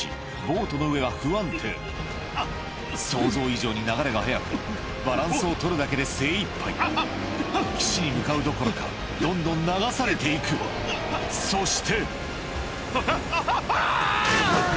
ボートの上は不安定想像以上に流れが速くバランスを取るだけで精いっぱい岸に向かうどころかどんどん流されて行くそしてあぁあぁあぁ！